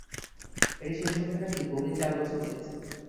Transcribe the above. এটি শেষ করতে নাকি গৌরীর চার বছর লেগেছে।